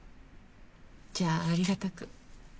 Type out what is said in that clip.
じゃあありがたく。